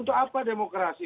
untuk apa demokrasi